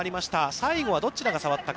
最後はどちらが触ったか。